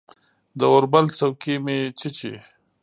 د اوربل څوکې مې چیچي